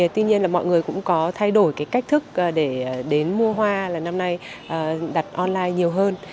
tuy nhiên là mọi người cũng có thay đổi cái cách thức để đến mua hoa là năm nay đặt online nhiều hơn